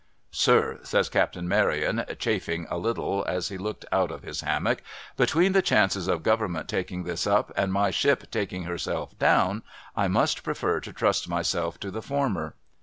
' Sir,' says Captain Maryon, chafing a little, as he looked out of his hammock ;' between the chances of Government taking this up, and my ship taking herself down, 1 much prefer to trust myself to the former.'